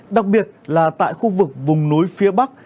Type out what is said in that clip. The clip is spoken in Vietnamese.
đặc biệt là tại khu vực vùng núi phía bắc